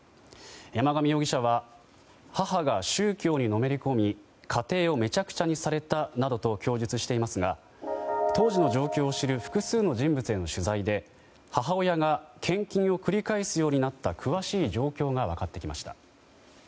山上容疑者は母が宗教にのめり込み家庭をめちゃくちゃにされたなどと供述していますが当時の状況を知る複数の人物への取材で母親が献金を繰り返すようになった詳しい状況が分かってきました。